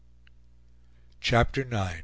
CHAPTER IX.